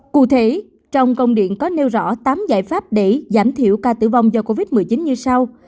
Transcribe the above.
cụ thể trong công điện có nêu rõ tám giải pháp để giảm thiểu ca tử vong do covid một mươi chín như sau